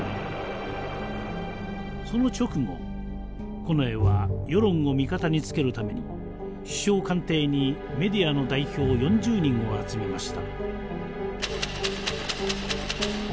その直後近衛は世論を味方につけるために首相官邸にメディアの代表４０人を集めました。